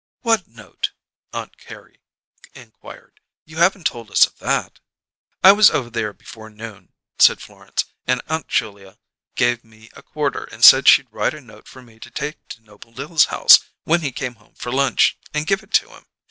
"What note?" Aunt Carrie inquired. "You haven't told us of that." "I was over there before noon," said Florence, "and Aunt Julia gave me a quarter and said she'd write a note for me to take to Noble Dill's house when he came home for lunch, and give it to him.